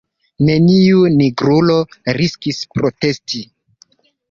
Neniu nigrulo riskis protesti.